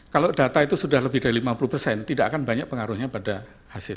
kalau data itu sudah lebih dari lima puluh persen tidak akan banyak pengaruhnya pada hasil